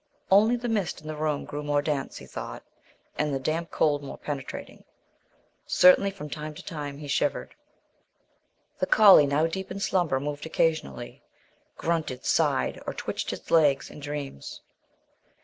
Only the mist in the room grew more dense, he thought, and the damp cold more penetrating. Certainly, from time to time, he shivered. The collie, now deep in slumber, moved occasionally, grunted, sighed, or twitched his legs in dreams.